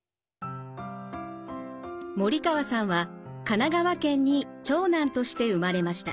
森川さんは神奈川県に長男として生まれました。